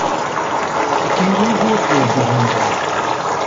Ik kin gjin goed mear by him dwaan.